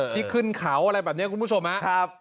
ที่ขึ้นเขาอะไรแบบนี้คุณผู้ชมครับ